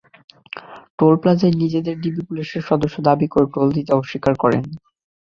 Toll প্লাজায় নিজেদের DB পুলিশের সদস্য দাবি করে টোল দিতে অস্বীকার করেন।